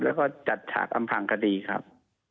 แล้วก็จัดฉากอำพังคดีครับ